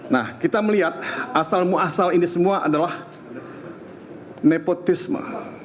nah kita melihat asal muasal ini semua adalah nepotisme